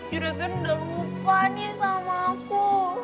juragan udah lupa nih sama aku